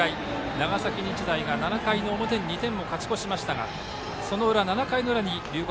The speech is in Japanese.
長崎日大が７回の表に２点を勝ち越しましたがその裏、７回の裏に龍谷